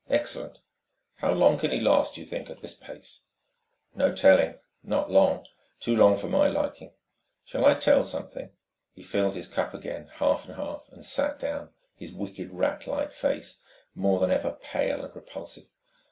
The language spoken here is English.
"Excellent.... How long can he last, do you think, at this pace?" "No telling not long too long for my liking. Shall I tell 'something?" He filled his cup again, half and half, and sat down, his wicked, rat like face more than ever pale and repulsive.